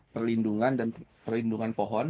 perlindungan dan perlindungan pohon